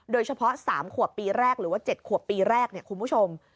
โดยเฉพาะ๓ขวบปีแรกหรือว่า๗ขวบปีแรกเนี่ยคุณผู้ชม